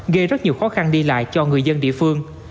gây rất nhiều khó khăn đi lại cho người dân địa phương